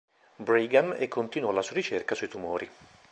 Brigham e continuò la sua ricerca sui tumori.